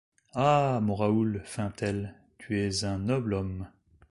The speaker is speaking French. Ha ! mon Raoul, feit-elle, tu es ung noble homme !